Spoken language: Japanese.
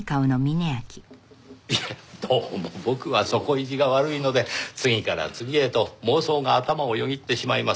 いやどうも僕は底意地が悪いので次から次へと妄想が頭をよぎってしまいます。